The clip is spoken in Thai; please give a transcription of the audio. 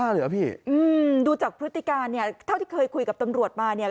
เหรอพี่อืมดูจากพฤติการเนี่ยเท่าที่เคยคุยกับตำรวจมาเนี่ย